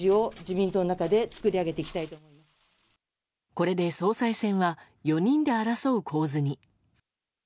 これで総裁選は４人で争う構図に。